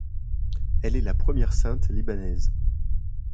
Elle est la première sainte libanaise.